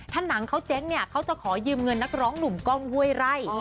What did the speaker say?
ถ้าหนังเขาเจ๊งเนี่ยเขาจะขอยืมเงินนักร้องหนุ่มกล้องห้วยไร่